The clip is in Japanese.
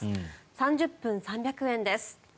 ３０分３００円です。